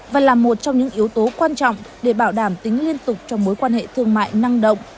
và là một trong những yếu tố quan trọng để bảo đảm tính liên tục cho mối quan hệ thương mại năng động